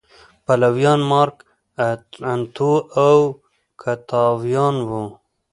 پلویان مارک انتو او اوکتاویان و